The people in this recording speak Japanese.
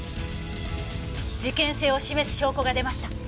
事件性を示す証拠が出ました。